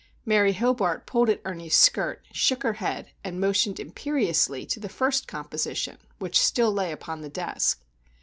Mary Hobart pulled at Ernie's skirt, shook her head, and motioned imperiously to the first composition which still lay upon the desk.